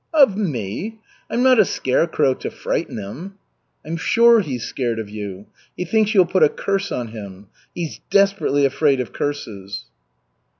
"Of me! I'm not a scarecrow to frighten him." "I'm sure he's scared of you. He thinks you'll put a curse on him. He's desperately afraid of curses."